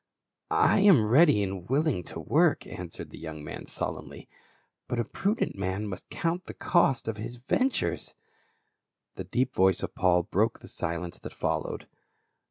" I am ready and willing to work," answered the young man sullenly ;" but a prudent man must count the cost of his ventures." 284 PA UL. The deep voice of Paul broke the silence that fol lowed.